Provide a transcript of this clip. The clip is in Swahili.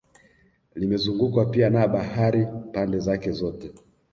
Limezungukwa pia na bahari pande zake zote